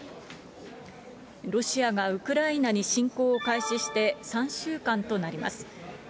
ロシアがウクライナに侵攻を開始して３週間となります。